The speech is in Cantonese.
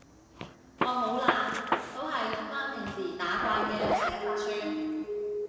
我好懶，都係用返平時打慣嘅寫法算